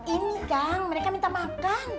ini kan mereka minta makan